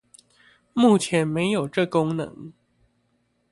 目前沒有這功能